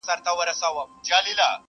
• اوس مي بُتکده دزړه آباده ده.